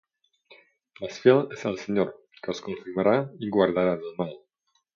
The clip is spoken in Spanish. Mas fiel es el Señor, que os confirmará y guardará del mal.